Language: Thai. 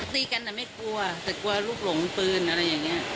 ตีกันไม่กลัวแต่กลัวลูกหลงปืนอะไรอย่างนี้